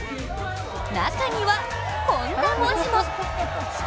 中には、こんな文字も。